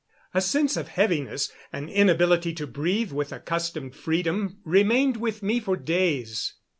A sense of heaviness, an inability to breathe with accustomed freedom, remained with me for days.